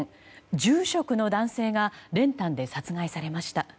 住職の男性が練炭で殺害されました。